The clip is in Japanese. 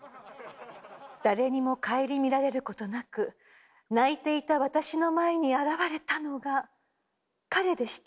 誰にも顧みられることなく泣いていた私の前に現れたのが彼でした。